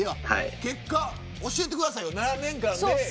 結果教えてくださいよ７年間で。